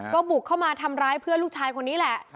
ก็บุกเข้ามาทำร้ายเพื่อนลูกชายคนนี้แหละ